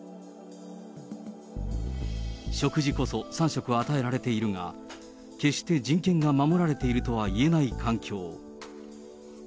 食事こそ３食与えられているが、決して人権が守られているとはいえない環境。